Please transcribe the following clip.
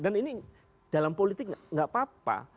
dan ini dalam politik nggak apa apa